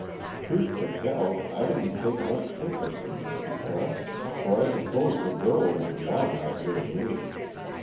Truth to tell, I didn't take much interest in this bequest, for I supposed the girl would long outlive me.